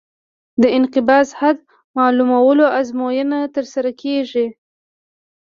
د انقباض حد معلومولو ازموینه ترسره کیږي